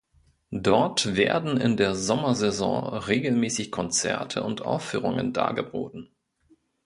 Dort werden in der Sommersaison regelmäßig Konzerte und Aufführungen dargeboten.